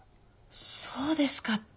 そうですかって。